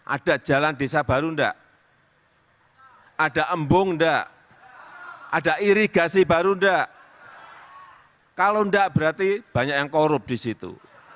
ada jalan desa baru enggak ada embung enggak ada irigasi baru enggak kalau enggak berarti banyak yang korup di situ